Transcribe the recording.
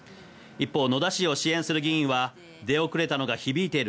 一方、野田氏を支援する議員は出遅れたのが響いている。